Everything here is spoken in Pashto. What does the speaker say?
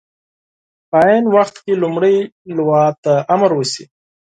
په عین وخت کې لومړۍ لواء ته امر وشي.